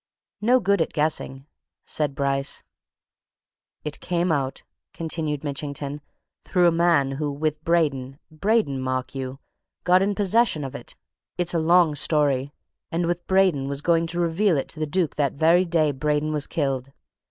"No good at guessing," said Bryce. "It came out," continued Mitchington, "through a man who, with Braden Braden, mark you! got in possession of it it's a long story and, with Braden, was going to reveal it to the Duke that very day Braden was killed.